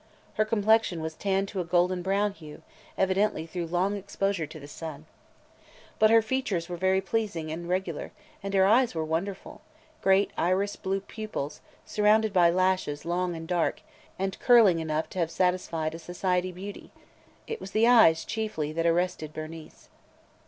Her complexion was tanned to a golden brown hue, evidently through long exposure to the sun. But her features were very pleasing and regular and her eyes were wonderful – great, iris blue pupils, surrounded by lashes long and dark and curling enough to have satisfied a society beauty. It was the eyes, chiefly, that arrested Bernice.